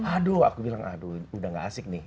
aduh aku bilang aduh udah gak asik nih